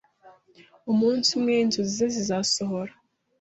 Umunsi umwe inzozi ze zizasohora.